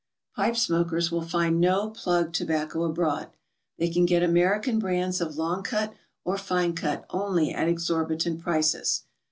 Pipe smokers will find no plug tobacco abroad. They can get American brands of long cut or fine cut only at exor bitant prices.